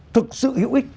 thực sự hữu ích